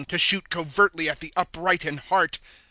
To shoot covertly at the upright in heart.